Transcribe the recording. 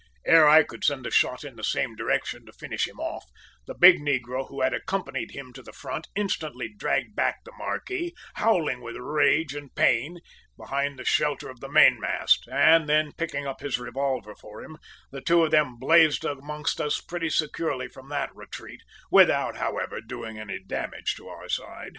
"Ere I could send a shot in the same direction to finish him off, the big negro, who had accompanied him to the front, instantly dragged back the `marquis,' howling with rage and pain, behind the shelter of the mainmast; and then, picking up his revolver for him, the two of them blazed amongst us pretty securely from that retreat, without, however, doing any damage to our side.